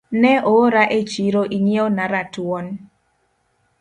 Ne oora e chiro ing'iew na ratuon